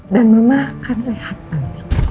dan memakan rehatan